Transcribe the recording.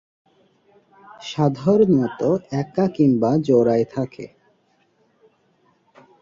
সাধারণত একা কিংবা জোড়ায় থাকে।